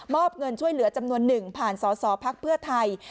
มอบเงินช่วยเหลือจำนวนหนึ่งผ่านสสพไทย